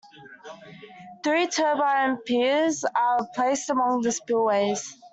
Three turbine piers are placed among the spillways.